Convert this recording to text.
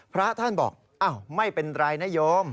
พระท่านบอกอ้าวไม่เป็นไรนะโยม